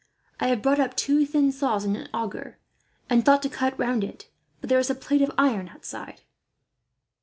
I have brought up two thin saws and an auger, and thought to cut round it; but there is a plate of iron outside."